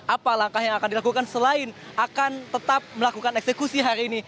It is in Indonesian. apa langkah yang akan dilakukan selain akan tetap melakukan eksekusi hari ini